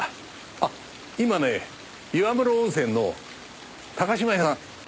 あっ今ね岩室温泉の島屋さん。